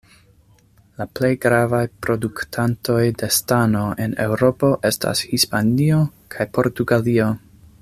La plej gravaj produktantoj de stano en Eŭropo estas Hispanio kaj Portugalio.